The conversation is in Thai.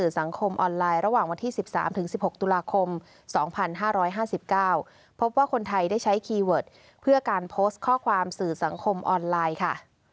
สังคมออนไลน์ระหว่างวันที่๑๓๑๖ตุลาคม๒๕๕๙พบว่าคนไทยได้ใช้คีย์เวิร์ดเพื่อการโพสต์ข้อความสื่อสังคมออนไลน์ค่ะ